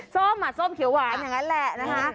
ส้มอ่ะส้มเขียวหวานอย่างนั้นแหละนะคะ